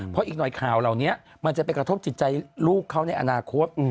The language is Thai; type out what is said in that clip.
เพราะอีกหน่อยข่าวเหล่านี้มันจะไปกระทบจิตใจลูกเขาในอนาคต